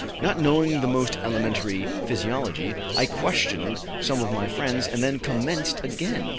Not knowing the most elementary physiology, I questioned some of my friends, and then commenced again.